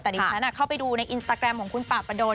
ตอนนี้ฉันเข้าไปดูในอินสตาแกรมของคุณปะปะดน